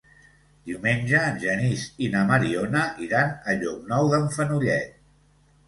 Diumenge en Genís i na Mariona iran a Llocnou d'en Fenollet.